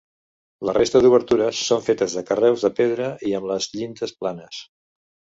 La resta d'obertures són fetes de carreus de pedra i amb les llindes planes.